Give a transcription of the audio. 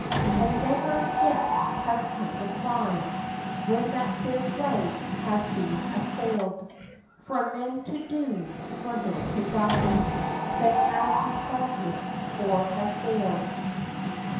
And never yet has come the cry When that fair flag has been assailed For men to do, for men to die, That have we faltered or have failed.